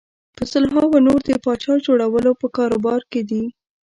په سلهاوو نور د پاچا جوړولو په کاروبار کې دي.